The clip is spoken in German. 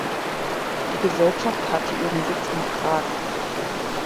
Die Gesellschaft hatte ihren Sitz in Prag.